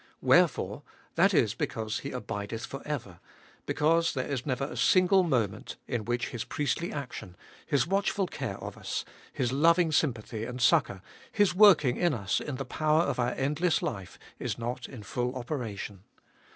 Wherefore, that is because He abideth for ever, because there is never a single moment in 1 Completely. 252 cbe Ibolicst of BU which His priestly action, His watchful care of us, His loving sympathy and succour, His working in us in the power of our endless life, is not in full operation.